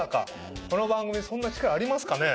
この番組そんな力ありますかね？